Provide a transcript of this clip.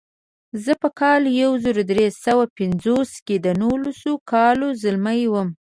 زه په کال یو زر درې سوه پنځوس کې د نولسو کالو ځلمی وم.